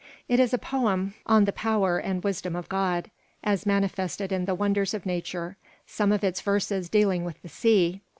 It is a poem on the power and wisdom of God as manifested in the wonders of nature, some of its verses dealing with the sea.